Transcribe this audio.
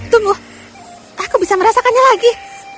tunggu aku bisa merasakannya lagi